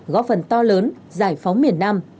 góp phần to lớn giải phóng miền nam